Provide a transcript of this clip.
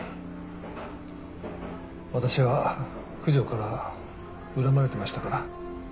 私は九条から恨まれてましたから。